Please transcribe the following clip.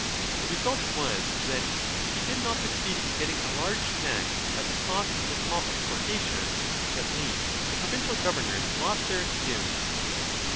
The result was that, if he did not succeed in getting a large tax at the cost of a small exportation, at least l the provincial governors lost their excuse.